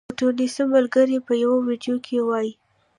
مونټیسینویو ملګری په یوه ویډیو کې وايي.